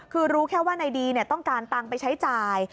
คือรู้แค่ว่านายดีต้องการตังค์ไปใช้จ่าย